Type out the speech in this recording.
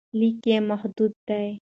لیک یې محدود دی.